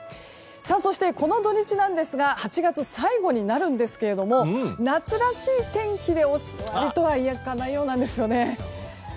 そして、この土日は８月最後になるんですけれども夏らしい天気で終わりとはいかないようなんですよね。